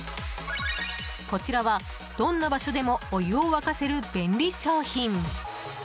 こちらは、どんな場所でもお湯を沸かせる便利商品。